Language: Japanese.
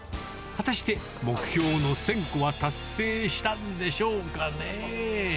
果たして目標の１０００個は達成したんでしょうかね。